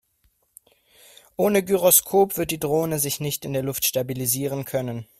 Ohne Gyroskop wird die Drohne sich nicht in der Luft stabilisieren können.